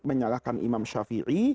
menyalahkan imam shafi'i